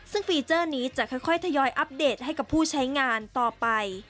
ซึ่งฟีเจอร์นี้จะค่อยทยอยอัปเดตให้กับผู้ใช้งานต่อไป